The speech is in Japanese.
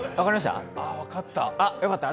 分かった。